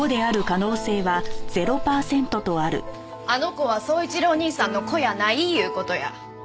あの子は宗一郎兄さんの子やないいう事や。